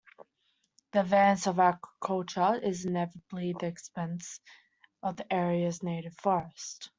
The advance of agriculture is inevitably at the expense of the area's native forest.